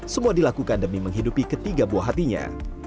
semua dilakukan demi menghidupi ketiga buah hatinya